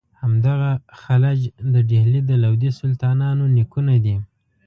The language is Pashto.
همدغه خلج د ډهلي د لودي سلطانانو نیکونه دي.